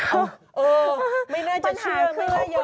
เออไม่น่าจะเชื่อไม่ได้ยอมปัญหาเครื่อง